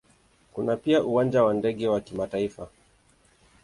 Kuna pia Uwanja wa ndege wa kimataifa.